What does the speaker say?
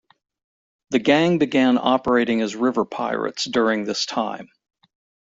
The gang began operating as river pirates during this time.